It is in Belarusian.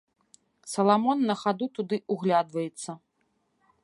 Саламон на хаду туды ўглядваецца.